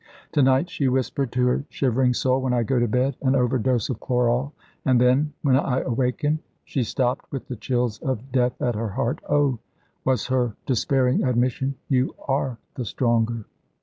"To night," she whispered to her shivering soul, "when I go to bed. An overdose of chloral, and then, when I awaken " She stopped, with the chills of death at her heart. "Oh," was her despairing admission; "You are the stronger!"